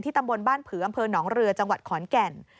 ตำบลบ้านผืออำเภอหนองเรือจังหวัดขอนแก่น